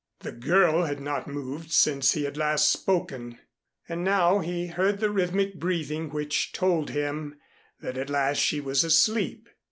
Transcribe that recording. The girl had not moved since he had last spoken, and now he heard the rhythmic breathing which told him that at last she was asleep.